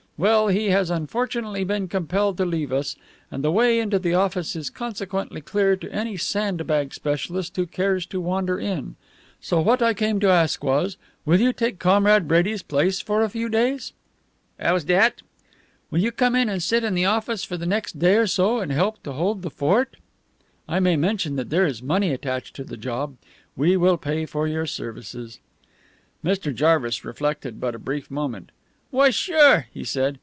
Well, he has unfortunately been compelled to leave us, and the way into the office is consequently clear to any sand bag specialist who cares to wander in. So what I came to ask was, will you take Comrade Brady's place for a few days?" "How's that?" "Will you come in and sit in the office for the next day or so and help hold the fort? I may mention that there is money attached to the job. We will pay for your services." Mr. Jarvis reflected but a brief moment. "Why, sure," he said.